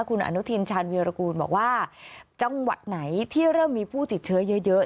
คุณอนุทินชาญวีรกูลบอกว่าจังหวัดไหนที่เริ่มมีผู้ติดเชื้อเยอะ